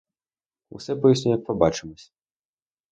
Усе поясню, як побачимось.